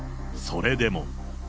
それでも。